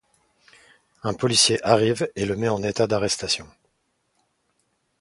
Un policier arrive et le met en état d'arrestation.